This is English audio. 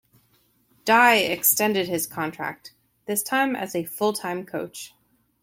Daei extended his contract, this time as a full-time coach.